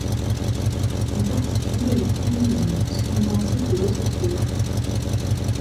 Les particules et leurs combinaisons sont identiques aux autres créoles.